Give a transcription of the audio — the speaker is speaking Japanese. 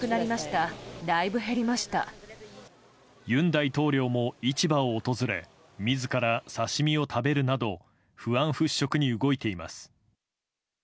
尹大統領も市場を訪れ自ら刺し身を食べるなど不安払拭に動いています。